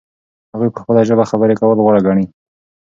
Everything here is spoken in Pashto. هغوی په خپله ژبه خبرې کول غوره ګڼي.